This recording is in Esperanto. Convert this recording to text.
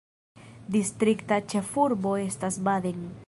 Distrikta ĉefurbo estas Baden.